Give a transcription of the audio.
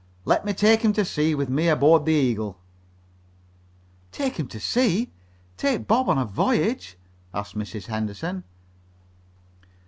"Let me take him to sea with me aboard the Eagle." "Take him to sea? Take Bob on a voyage?" asked Mrs. Henderson.